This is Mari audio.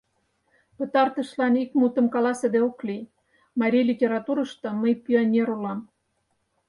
Пытартышлан ик мутым каласыде ок лий: марий литературышто мый пионер улам.